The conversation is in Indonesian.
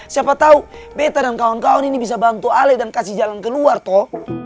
siapa tahu beta dan kawan kawan ini bisa bantu ale dan kasih jalan keluar tol